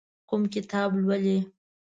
کوم کتاب لولئ؟